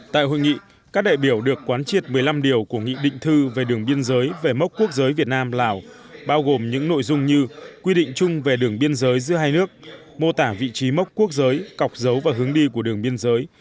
tại hội nghị các đại biểu được quán triệt một mươi năm điều của nghị định thư về đường biên giới về mốc quốc giới việt nam lào bao gồm những nội dung như quy định chung về đường biên giới giữa hai nước mô tả vị trí mốc quốc giới cọc dấu và hướng đi của đường biên giới